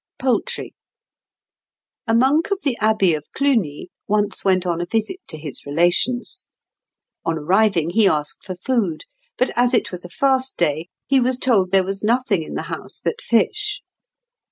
Poultry. A monk of the Abbey of Cluny once went on a visit to his relations. On arriving he asked for food; but as it was a fast day he was told there was nothing in the house but fish.